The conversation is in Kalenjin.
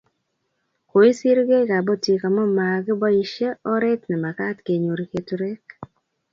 Koisirgei kabotik amu makiboish oret ne makat kenyor keturek